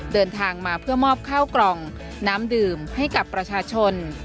เดินทางมาเพื่อมอบข้าวกล่องน้ำดื่มให้กับประชาชน